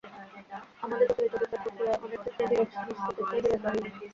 আমাদের প্রচলিত বিচারপ্রক্রিয়ায় অনেক ক্ষেত্রেই বিরোধ নিষ্পত্তির চেয়ে বিরোধ বাড়িয়ে দেয়।